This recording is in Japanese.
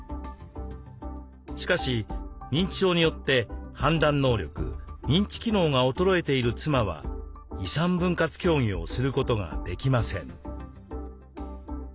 しかし認知症によって判断能力認知機能が衰えている妻は遺産分割協議をすることができません。